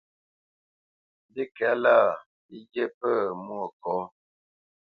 Mbîkɛ̌lâ, lî ghye pə̂ Mwôkɔ̌.